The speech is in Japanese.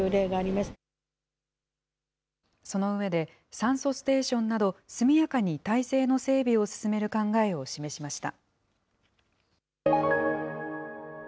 酸素ステーションなど、速やかに体制の整備を進める考えを示しました。